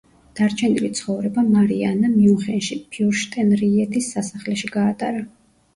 დარჩენილი ცხოვრება მარია ანამ მიუნხენში, ფიურშტენრიედის სასახლეში გაატარა.